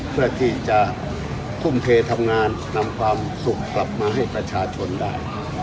เพื่อที่จะทุ่มเททำงานนำความสุขกลับมาให้ประชาชนได้